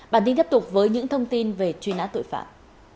bản tin tiếp tục với những thông tin về truy nã tội phạm